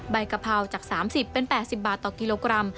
กะเพราจาก๓๐เป็น๘๐บาทต่อกิโลกรัม